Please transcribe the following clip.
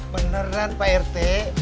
beneran pak rt